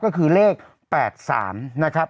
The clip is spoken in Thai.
ก็คือเลข๘๓นะครับ